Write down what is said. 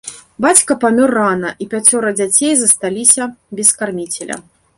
Бацька памёр рана, і пяцёра дзяцей засталіся без карміцеля.